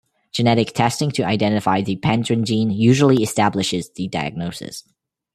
Genetic testing to identify the pendrin gene usually establishes the diagnosis.